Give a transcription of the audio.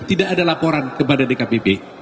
tidak ada laporan kepada dkpp